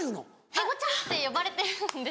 へごちゃんって呼ばれてるんです。